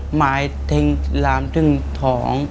หมายเท็งลามถึงถอง